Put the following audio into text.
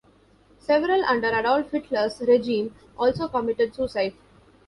Several under Adolf Hitler's regime also committed suicide.